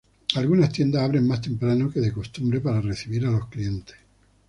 Algunas tiendas abren más temprano que de costumbre para recibir a los clientes.